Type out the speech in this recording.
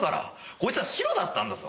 こいつはシロだったんだぞ。